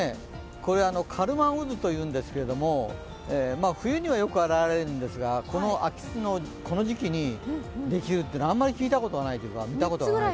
これ、カルマン渦というんですけど冬にはよく現れるんですが、この秋のこの時期にあんまり聞いたことがないというか見たことがない。